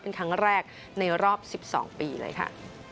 เป็นครั้งแรกในรอบ๑๒ปีเลยค่ะ